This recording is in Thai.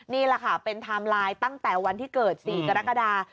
นี่แหละค่ะเป็นไทม์ไลน์ตั้งแต่วันที่เกิด๔กรกฎา